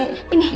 nggak mau tidur